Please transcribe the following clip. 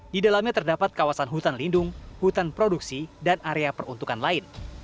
di dalamnya terdapat kawasan hutan lindung hutan produksi dan area peruntukan lain